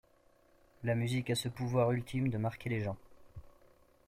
La musique a ce pouvoir ultime de marquer les gens.